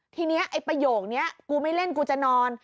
ทีนี้ไอ้ประโยคนี้กูไม่เล่นกูจะนอน